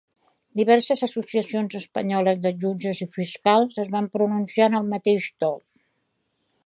Diverses associacions espanyoles de jutges i fiscals es van pronunciar en el mateix to.